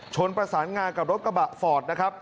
ชนประสานงากับรถกระบะฟอร์ดนะครับ